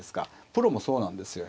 プロもそうなんですよ。